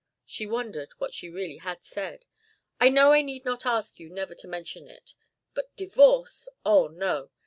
She wondered what she really had said. "I know I need not ask you never to mention it. But divorce! Oh, no.